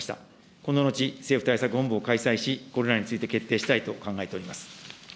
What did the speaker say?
この後、政府対策本部を開催し、これらについて決定したいと考えております。